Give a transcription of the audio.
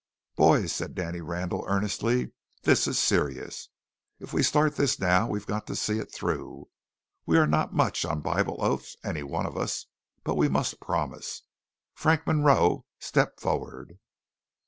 Boys," said Danny Randall earnestly, "this is serious. If we start this now, we've got to see it through. We are not much on Bible oaths, any one of us, but we must promise. Frank Munroe, step forward!"